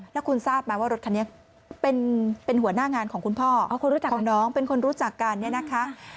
แล้วคุณทราบไหมว่ารถคันนี้เป็นหัวหน้างานของคุณพ่อของน้องเป็นคนรู้จักกันเนี่ยนะคะ